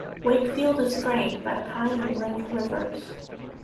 Wakefield is drained by the Pine and Branch rivers.